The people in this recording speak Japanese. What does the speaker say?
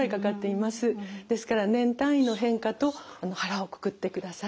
ですから年単位の変化と腹をくくってください。